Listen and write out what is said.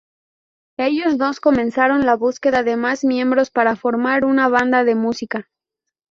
Ellos dos comenzaron la búsqueda de más miembros para formar una banda de música.